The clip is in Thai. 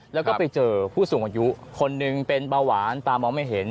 แล้วก็ไปเจอผู้สูงอายุคนหนึ่งเป็นเบาหวานตามองไม่เห็น